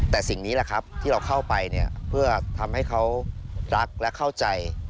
แต่สิ่งนี้แหละครับที่เราเข้าไปเนี่ยเพื่อทำให้เขารักและเข้าใจ